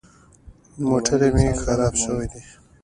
موټر مې خراب شوی دی.